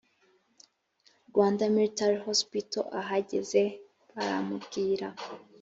rwanda military hospital ahageze bamubwira